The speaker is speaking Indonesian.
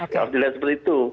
kalau dilihat seperti itu